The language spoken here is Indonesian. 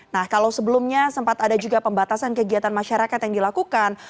nah kalau sebelumnya sempat ada juga pembatasan kegiatan masyarakat yang dilakukan